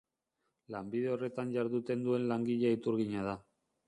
Lanbide horretan jarduten duen langilea iturgina da.